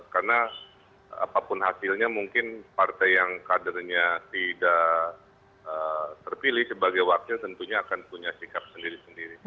karena apapun hasilnya mungkin partai yang kadernya tidak terpilih sebagai wakil tentunya akan punya sikap sendiri sendiri